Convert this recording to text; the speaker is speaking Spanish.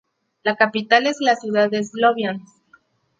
La capital es la ciudad de Sloviansk.